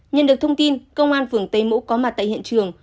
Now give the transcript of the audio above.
nhận được thông tin công an phường tây mỗ có mặt tại hiện trường